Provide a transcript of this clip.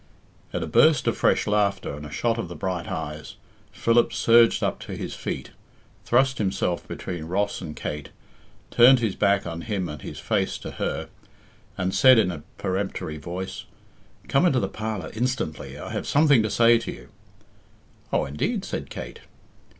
At a burst of fresh laughter and a shot of the bright eyes, Philip surged up to his feet, thrust himself between Ross and Kate, turned his back on him and his face to her, and said in a peremptory voice, "Come into the parlour instantly I have something to say to you." "Oh, indeed!" said Kate.